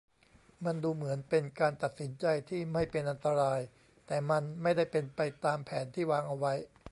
มันดูเหมือนเป็นการตัดสินใจที่ไม่เป็นอันตรายแต่มันไม่ได้เป็นไปตามแผนที่วางเอาไว้